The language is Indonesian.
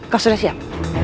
kau sudah siap